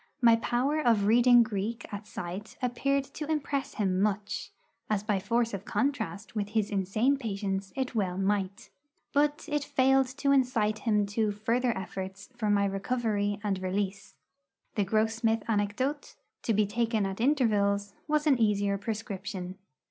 My power of reading Greek at sight appeared to impress him much, as by force of contrast with his insane patients it well might. But it failed to incite him to further efforts for my recovery and release. The Grossmith anecdote, to be taken at intervals, was an easier prescription.